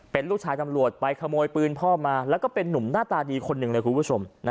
เป็นลูกชายตำรวจไปขโมยปืนพ่อมาแล้วก็เป็นนุ่มหน้าตาดีคนหนึ่งเลยคุณผู้ชม